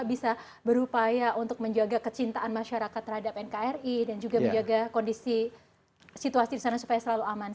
bisa berupaya untuk menjaga kecintaan masyarakat terhadap nkri dan juga menjaga kondisi situasi di sana supaya selalu aman